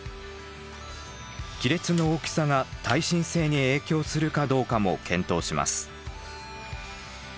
亀裂の大きさが耐震性に影響するかどうかも検討します。